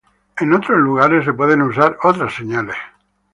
En otros lugares se pueden usar otras señales.